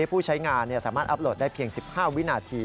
ผู้ใช้งานสามารถอัพโหลดได้เพียง๑๕วินาที